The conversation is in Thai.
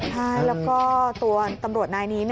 ใช่แล้วก็ตัวตำรวจนายนี้